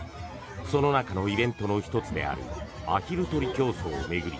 その中のイベントの１つであるアヒル取り競争を巡り